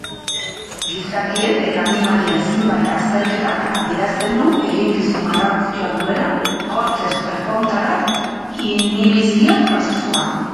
Gizakien eta animalien zenbait azterketak adierazten du eginkizun garrantzitsua duela kortex prefrontalak inibizio-prozesuan.